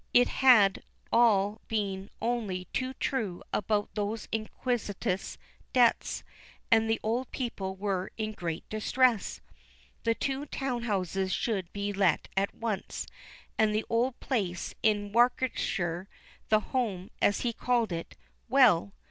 It had all been only too true about those iniquitous debts, and the old people were in great distress. The two town houses should be let at once, and the old place in Warwickshire the home, as he called it well!